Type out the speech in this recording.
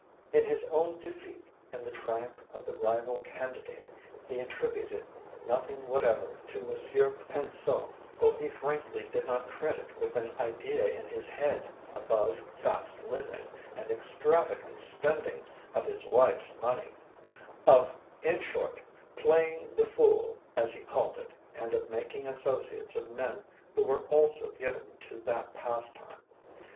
In his own defeat and the triumph of the rival candidate, he attributed nothing whatever to Monsieur Pinseau whom he frankly did not credit with an idea in his head above fast living and extravagant spending of his wife s money of, in short, playing the fool, as he called it and of making associates of men who were also given to that pastime.